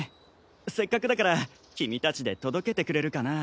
せっかくだから君たちで届けてくれるかな？